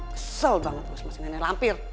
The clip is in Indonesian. kesel banget lo sama si nenek lampir